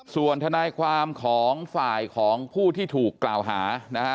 ส่วนทนายความของฝ่ายของผู้ที่ถูกกล่าวหานะฮะ